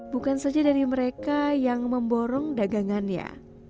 bukan saja dari mereka yang memborong dagangannya